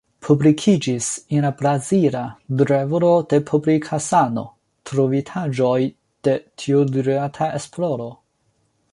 Publikiĝis en la brazila Revuo de Publika Sano trovitaĵoj de tiurilata esploro.